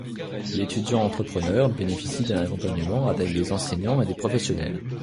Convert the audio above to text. L'étudiant-entrepreneur bénéficie d'un accompagnement avec des enseignants et des professionnels.